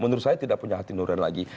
menurut saya tidak punya hati nuril lagi